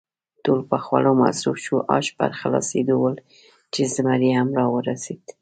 ټول په خوړو مصروف شوو، آش پر خلاصېدو ول چې زمري هم را ورسېد.